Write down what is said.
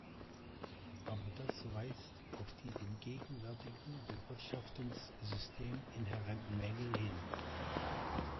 Aber das weist auf die dem gegenwärtigen Bewirtschaftungssystem inhärenten Mängel hin.